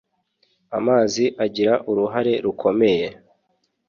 amazi agira uruhare rukomeye